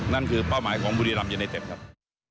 นั่นคือเป้าหมายของบุรีรัมยูเนเต็ปครับ